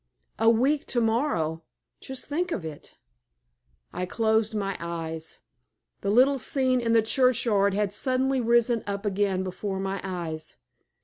"A week to morrow! Just think of it." I closed my eyes. The little scene in the churchyard had suddenly risen up again before my eyes.